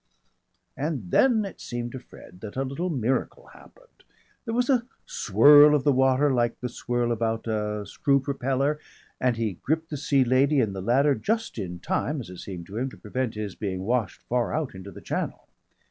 _ wuff!... And then it seemed to Fred that a little miracle happened. There was a swirl of the water like the swirl about a screw propeller, and he gripped the Sea Lady and the ladder just in time, as it seemed to him, to prevent his being washed far out into the Channel.